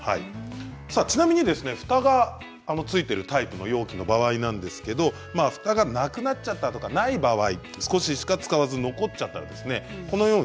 ちなみにふたがついているタイプの容器の場合なんですけれどふたがなくなっちゃったとかない場合、少ししか使わず残っちゃった場合ですね